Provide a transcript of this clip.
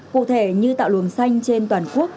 cụ thể như tạo luồng xanh trên toàn quốc